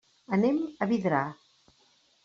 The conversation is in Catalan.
Anem a Vidrà.